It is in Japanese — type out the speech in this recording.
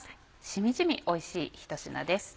しみじみおいしいひと品です。